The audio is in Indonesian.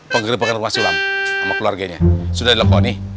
penggerbekan ruas sulam sama keluarganya sudah dilakukan nih